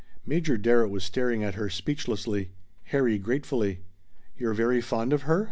Major Darrett was staring at her speechlessly. Harry gratefully. "You're very fond of her?"